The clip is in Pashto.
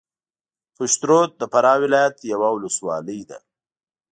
پشترود د فراه ولایت یوه ولسوالۍ ده